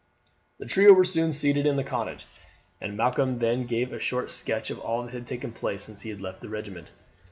The trio were soon seated in the cottage, and Malcolm then gave a short sketch of all that had taken place since he had left the regiment.